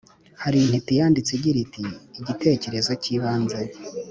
hari intiti yanditse igira iti “igitekerezo cy’ibanze